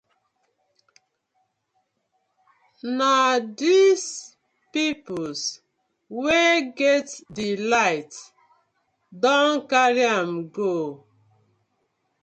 Na di pipus wey get di light don karry am go.